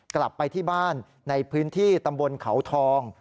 กลับไปที่บ้านในพื้นที่ตำบลเขาทอง